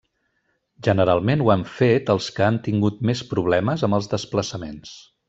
Generalment, ho han fet els que han tingut més problemes amb els desplaçaments.